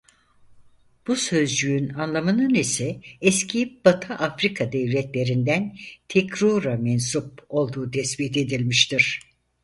Bu sözcüğün anlamının ise eski Batı Afrika devletlerinden "Tekrûr'a mensup" olduğu tespit edilmiştir.